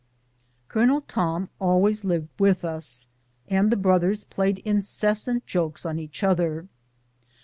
Colonel Tom always lived with us, and the brothers played incessant jokes on each other.